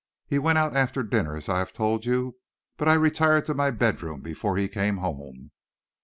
"He went out after dinner, as I have told you, but I retired to my bedroom before he came home."